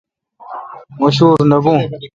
مہ شور نہ بھوں۔